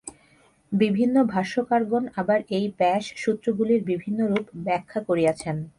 বিভিন্ন ভাষ্যকারগণ আবার এই ব্যাসসূত্রগুলির বিভিন্নরূপ ব্যাখ্যা করিয়াছেন।